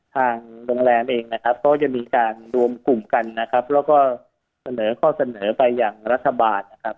ทางโรงแรมเองนะครับก็จะมีการรวมกลุ่มกันนะครับแล้วก็เสนอข้อเสนอไปอย่างรัฐบาลนะครับ